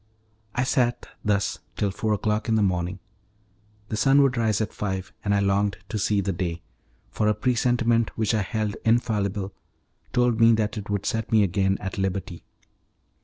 I sat thus till four o'clock in the morning, the sun would rise at five, and I longed to see the day, for a presentiment which I held infallible told me that it would set me again at liberty.